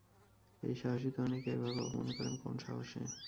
এই সাহসী তরুণীকে এভাবে অপমান করেন কোন সাহসে?